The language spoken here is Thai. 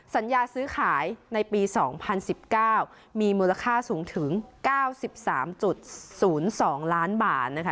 สัญญาซื้อขายในปี๒๐๑๙มีมูลค่าสูงถึง๙๓๐๒ล้านบาทนะคะ